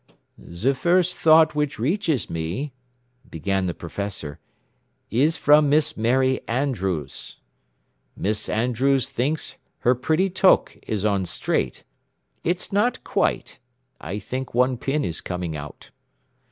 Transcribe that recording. "The first thought which reaches me," began the professor, "is from Miss Mary Andrews. Miss Andrews thinks her pretty toque is on straight. It's not quite. I think one pin is coming out."